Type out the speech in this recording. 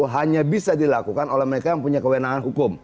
hanya bisa dilakukan oleh mereka yang punya kewenangan hukum